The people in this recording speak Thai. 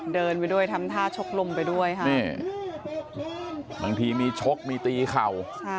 เดินไปด้วยทำท่าชกลมไปด้วยค่ะบางทีมีชกมีตีเข่า